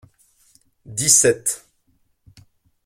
Dix-sept.